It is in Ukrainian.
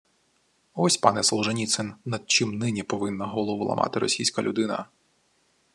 Ось, пане Солженіцин, над чим нині повинна голову ламати російська людина